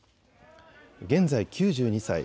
現在、９２歳。